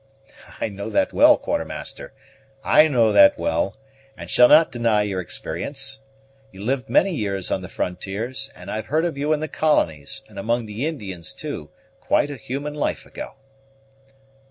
"I know that well, Quartermaster; I know that well, and shall not deny your experience. You've lived many years on the frontiers, and I've heard of you in the colonies, and among the Indians, too, quite a human life ago."